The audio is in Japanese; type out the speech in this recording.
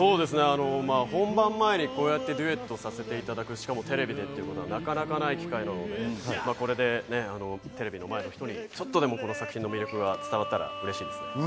本番前にデュエットさせていただく、しかもテレビでってなかなかない機会なので、テレビの前の人にちょっとでもこの作品の魅力が伝わったら嬉しいです。